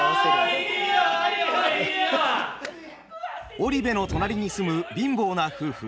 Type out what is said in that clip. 織部の隣に住む貧乏な夫婦